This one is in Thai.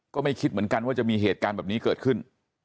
ก็ไม่คิดเหมือนกันว่าจะมีเหตุการณ์แบบนี้เกิดขึ้น